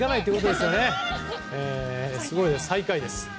すごいです、最下位です。